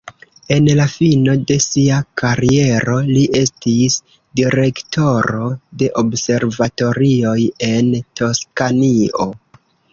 En la fino de sia kariero li estis direktoro de observatorioj en Toskanio.